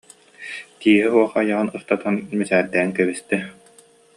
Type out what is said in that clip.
тииһэ суох айаҕын ыртатан мичээрдээн кэбистэ